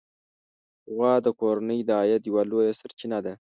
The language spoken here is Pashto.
غوا د کورنۍ د عاید یوه لویه سرچینه ده.